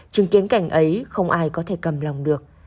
chứng kiến cảnh ấy không ai có thể cầm lòng được